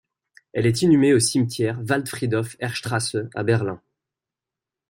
Elle est inhumée au cimetière Waldfriedhof Heerstrasse à Berlin.